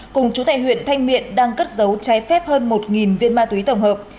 cùng chú tại huyện thanh miện đang cất giấu trái phép hơn một viên ma túy tổng hợp